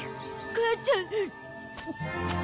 母ちゃん！